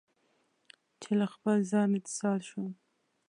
چې له خپل ځان، اتصال شوم